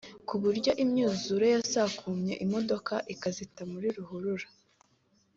ku buryo imyuzure yasakumye imodoka ikazita mu bihuru